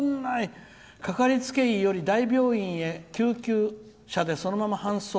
かかりつけ医より大病院へ救急車で、そのまま搬送。